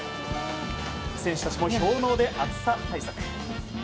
選手たちも氷嚢で暑さ対策。